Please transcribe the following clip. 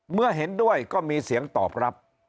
เมื่อเห็นด้วยก็มีเสียงตอบรับ